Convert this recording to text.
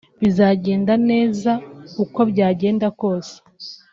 bizagenda neza uko byagenda kose